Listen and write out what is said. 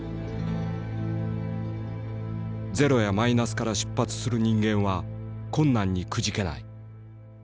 「ゼロやマイナスから出発する人間は困難にくじけない」。